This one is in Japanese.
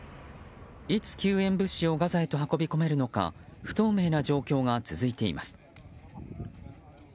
いつ救援物資をガザへと運び込めるのか不透明な状況が続いています。